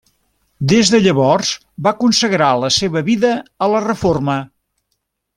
Des de llavors va consagrar la seva vida a la reforma.